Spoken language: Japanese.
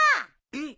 えっ？